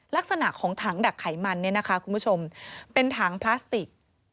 ลักษณะของถังดักไขมันเนี่ยนะคะคุณผู้ชมเป็นถังพลาสติก